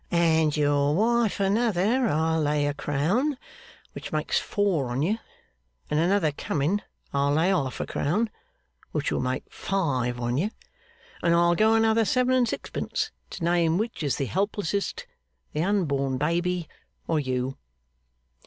And your wife another, I'll lay a crown. Which makes four on you. And another coming, I'll lay half a crown. Which'll make five on you. And I'll go another seven and sixpence to name which is the helplessest, the unborn baby or you!